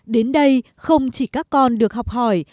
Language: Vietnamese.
đến đây không chỉ các con được học hỏi